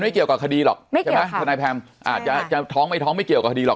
ไม่เกี่ยวกับคดีหรอกแต่ว่าวันนี้